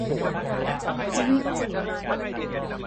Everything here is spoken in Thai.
วิค